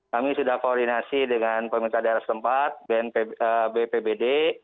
kami sudah koordinasi dengan pemerintah daerah setempat bnpb pbd